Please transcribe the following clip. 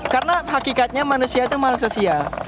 karena hakikatnya manusia itu manusia sosial